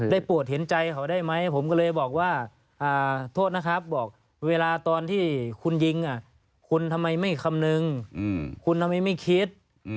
ปวดเห็นใจเขาได้ไหมผมก็เลยบอกว่าโทษนะครับบอกเวลาตอนที่คุณยิงคุณทำไมไม่คำนึงคุณทำไมไม่คิด